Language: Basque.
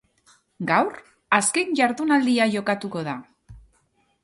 Gaur azken jardunaldia jokatuko da.